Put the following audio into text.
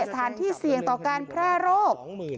สถานที่เสี่ยงต่อการแพร่โรค